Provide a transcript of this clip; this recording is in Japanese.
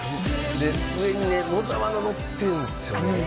で上にね野沢菜のってるんですよねあっ